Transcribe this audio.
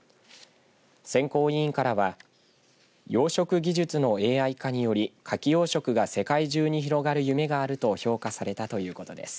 選考委員会らは養殖技術のＡＩ化によりかき養殖が世界中に広がる夢があると評価されたということです。